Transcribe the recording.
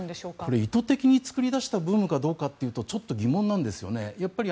これ、意図的に作り出したブームかというとちょっと疑問なんですよね。